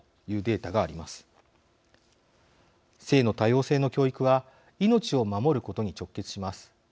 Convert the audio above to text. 性の多様性の教育は命を守ることに直結します。